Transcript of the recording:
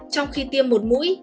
trong khi tiêm một mũi